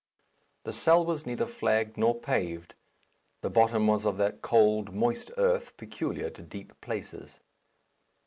The cell was neither flagged nor paved. The bottom was of that cold, moist earth peculiar to deep places.